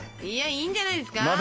いやいいんじゃないですか？